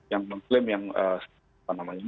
yang mengklaim yang apa namanya